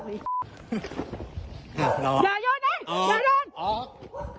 มึงอยากจะรู้บ้าง